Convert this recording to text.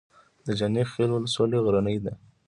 د جاني خیل ولسوالۍ غرنۍ ده